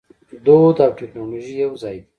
دود او ټیکنالوژي یوځای دي.